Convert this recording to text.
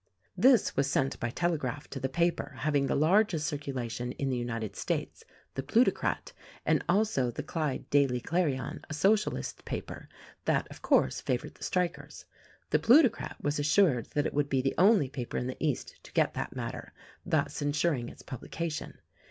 This was sent by telegraph to the paper having the largest circulation in the United States, "The Plutocrat," and also the "Clyde Daily Clarion" — a Socialist paper, that, of course, favored the strikers. The "Plutocrat" was assured that it would be the only paper in the East to get that matter — thus insuring its publication.